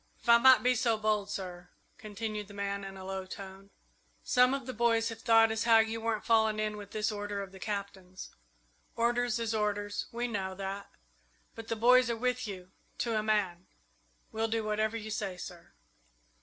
"If I might be so bold, sir," continued the man, in a low tone, "some of the boys have thought as how you weren't falling in with this order of the Cap'n's. Orders is orders we know that but the boys are with you, to a man. We'll do whatever you say, sir."